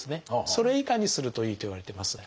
それ以下にするといいといわれてます。